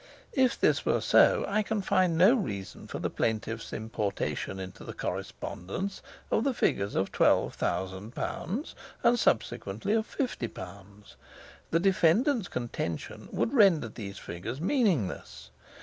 If this were so, I can find no reason for the plaintiff's importation into the correspondence of the figures of twelve thousand pounds and subsequently of fifty pounds. The defendant's contention would render these figures meaningless.